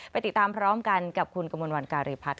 ไปติดตามพร้อมกันกับคุณกมลวันการีพัฒน์